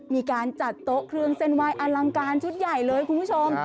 มีการจัดโต๊ะเครื่องเส้นไหว้อลังการชุดใหญ่เลยคุณผู้ชม